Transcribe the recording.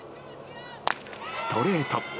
ストレート。